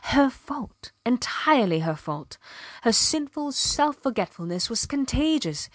Her fault. Entirely her fault. Her sinful self forgetfulness was contagious.